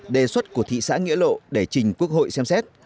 đề xuất của thị xã nghĩa lộ để trình quốc hội xem xét